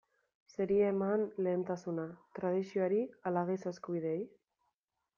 Zeri eman lehentasuna, tradizioari ala giza eskubideei?